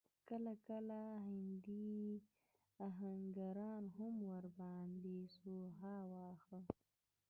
کله کله هندي اهنګرانو هم ور باندې سوهان واهه.